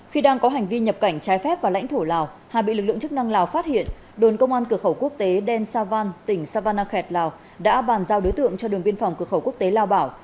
khi đang có hành vi nhập cảnh trái phép vào lãnh thổ lào hà bị lực lượng chức năng lào phát hiện đồn công an cửa khẩu quốc tế đen savan tỉnh savanakhet lào đã bàn giao đối tượng cho đường biên phòng cửa khẩu quốc tế lao bảo